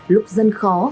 lúc dân khó